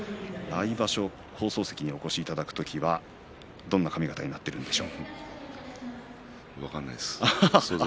来場所、放送席にお越しいただく時はどんな髪形になっているんでしょう。